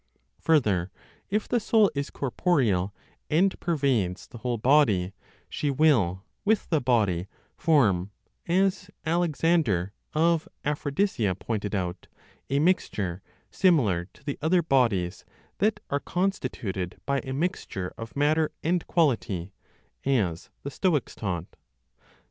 Further, if the soul is corporeal, and pervades the whole body, she will, with the body, form (as Alexander of Aphrodisia pointed out) a mixture, similar to the other bodies (that are constituted by a mixture of matter and quality, as the Stoics taught).